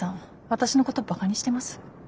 私のことバカにしてます？